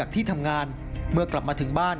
คนยากมึงด้วย